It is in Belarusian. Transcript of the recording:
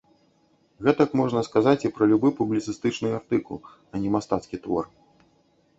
Гэтак можна сказаць і пра любы публіцыстычны артыкул, а не мастацкі твор.